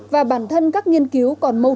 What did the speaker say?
và bản thân các nghiên cứu còn mâu tích